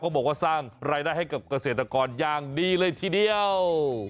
บอกว่าสร้างรายได้ให้กับเกษตรกรอย่างดีเลยทีเดียว